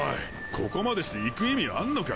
ここまでして行く意味あんのか！？